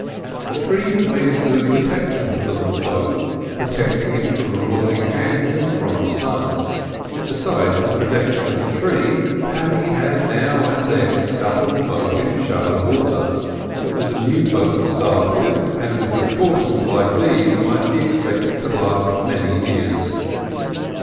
The tree had made a good protection for the little boat, protecting it from marauding hands and from the sun; besides the protection of the tree Paddy had now and then scuttled the boat in shallow water. It was a new boat to start with, and with precautions like these might be expected to last many years.